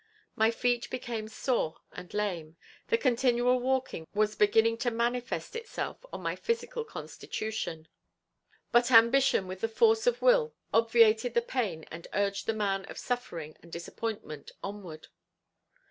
My feet became sore and lame, the continual walking was beginning to manifest itself on my physical constitution; but ambition with the force of will obviated the pain and urged the man of suffering and disappointment onward.